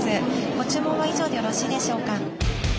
ご注文は以上でよろしいでしょうか？